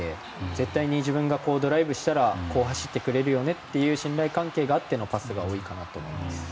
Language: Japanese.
絶対に自分がドライブしたらこう走ってくれるよねという信頼関係があってのパスが多いかなと思います。